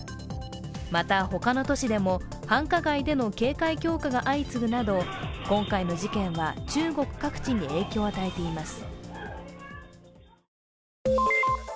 また、他の都市でも繁華街での警戒強化が相次ぐなど今回の事件は、中国各地に影響を与えています。